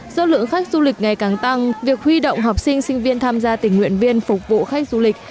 do lượng khách du lịch ngày càng tăng việc huy động học sinh sinh viên tham gia tình nguyện viên phục vụ khách du lịch